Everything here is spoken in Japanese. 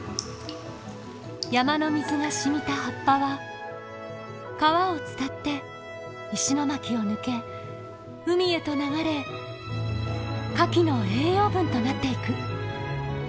山の水がしみた葉っぱは川を伝って石巻を抜け海へと流れカキの栄養分となっていく。